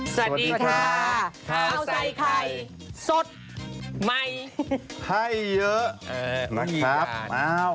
สวัสดีค่ะข้าวใส่ไข่สดใหม่ให้เยอะนะครับ